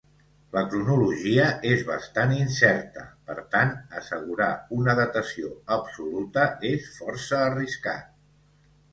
La cronologia és bastant incerta; per tant, assegurar una datació absoluta és força arriscat.